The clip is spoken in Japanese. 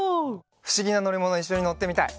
ふしぎなのりものにいっしょにのってみたい！